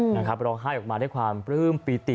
เราให้ออกมาด้วยความพรื่อมปีติ